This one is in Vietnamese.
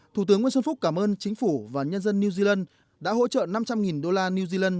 thủ tướng nguyễn xuân phúc cảm ơn chính phủ và nhân dân new zealand đã hỗ trợ năm trăm linh đô la new zealand